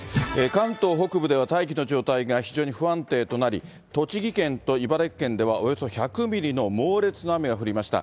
関東北部では大気の状態が非常に不安定となり、栃木県と茨城県ではおよそ１００ミリの猛烈な雨が降りました。